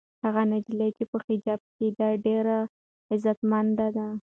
هغه نجلۍ چې په حجاب کې ده ډېره عزتمنده ده.